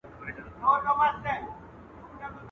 خوار سړى، ابلک ئې سپى.